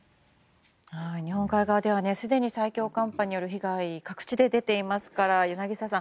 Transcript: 日本海側ではすでに最強寒波による被害各地で出ていますから、柳澤さん